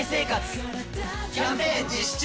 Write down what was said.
キャンペーン実施中！